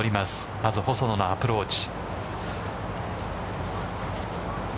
まず細野のアプローチ。